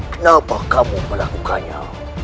kenapa kamu melakukannya